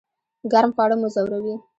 ګرم خواړه مو ځوروي؟